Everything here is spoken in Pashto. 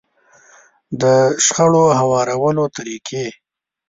د شخړو هوارولو طريقې.